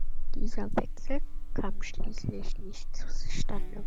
Dieser Wechsel kam schließlich nicht zustande.